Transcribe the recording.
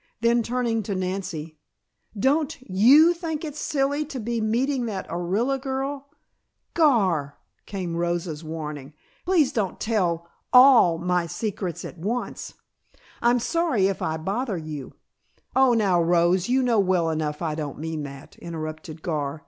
Then turning to Nancy, "Don't you think it's silly to be meeting that Orilla girl " "Gar!" came Rosa's warning. "Please don't tell all my secrets at once. I'm sorry if I bother you " "Oh, now Rose, you know well enough I don't mean that," interrupted Gar.